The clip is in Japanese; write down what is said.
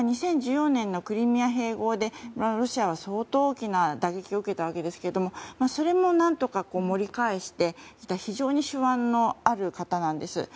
２０１４年のクリミア併合でロシアは相当大きな打撃を受けたわけですけどもそれも何とか盛り返して非常に手腕のある方なんです。